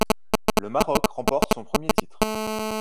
Le Maroc remporte son premier titre.